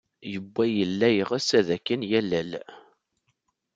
Yuba yella yeɣs ad ken-yalel.